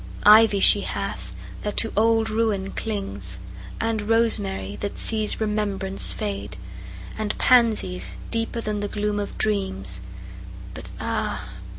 Ivy she hath, that to old ruin clings; And rosemary, that sees remembrance fade; And pansies, deeper than the gloom of dreams; But ah!